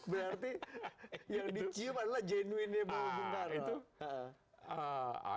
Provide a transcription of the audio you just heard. berarti yang dicium adalah jenuinnya bau bengkar